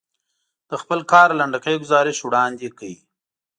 د خپل کار لنډکی ګزارش وړاندې کړ.